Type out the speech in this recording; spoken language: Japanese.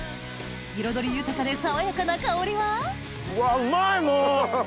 彩り豊かで爽やかな香りはうわっうまいもう。